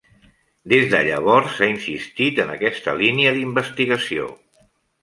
Des de llavors, ha insistit en aquest línia d'investigació.